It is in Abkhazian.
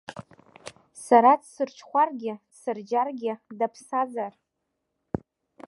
Сара дсырҽхәаргьы, дсырџьаргьы, даԥсазар…